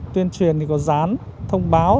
tuyên truyền thì có rán thông báo